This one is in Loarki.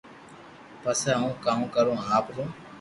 پسي ھون ڪاو ڪرو آپ رون